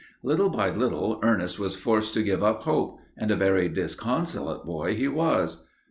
Little by little Ernest was forced to give up hope, and a very disconsolate boy he was.